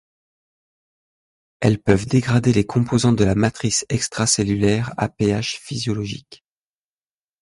Elles peuvent dégrader les composants de la matrice extracellulaire à pH physiologique.